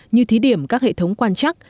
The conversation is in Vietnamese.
như thí điểm các hệ thống quan chắc